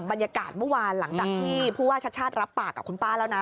บรรยากาศเมื่อวานหลังจากที่ผู้ว่าชาติชาติรับปากกับคุณป้าแล้วนะ